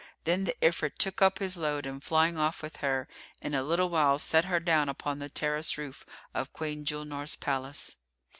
Then the Ifrit took up his load and, flying off with her, in a little while set her down upon the terrace roof of Queen Julnar's palace.